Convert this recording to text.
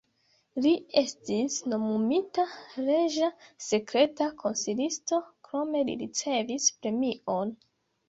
Li estis nomumita reĝa sekreta konsilisto, krome li ricevis premion.